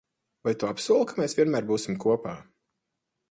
Vai tu apsoli, ka mēs vienmēr būsim kopā?